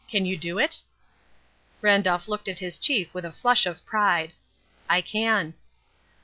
Can you do it?" Randolph looked at his chief with a flush of pride. "I can."